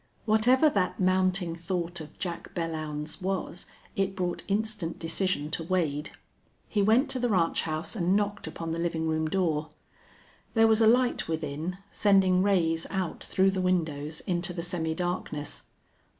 Whatever that mounting thought of Jack Belllounds's was it brought instant decision to Wade. He went to the ranch house and knocked upon the living room door. There was a light within, sending rays out through the windows into the semi darkness.